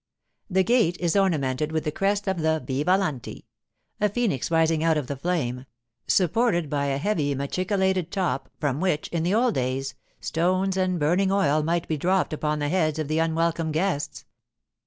The gate is ornamented with the crest of the Vivalanti—a phoenix rising out of the flame, supported by a heavy machicolated top, from which, in the old days, stones and burning oil might be dropped upon the heads of the unwelcome guests.